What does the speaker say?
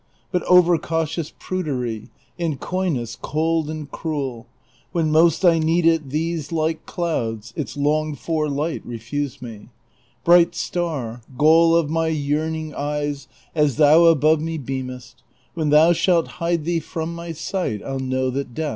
But over cautious prudery. And coyness cold and cruel. When most I need it, these, like clouds, Its longed for light refuse me. Bright star,^ goal of my yearning eyes As thou above me beamest. When thou shalt hide thee from my sight I '11 know that death is near me.